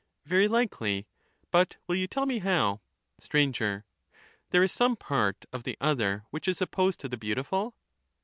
Very likely ; but will you tell me how ? Str. There is some part of the other which is opposed to the beautiful